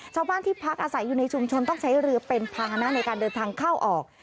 ชาวบ้านที่พักอาศัยอยู่ในชุมชนต้องใช้เรือเป็นภาษณะในการเดินทางเข้าออก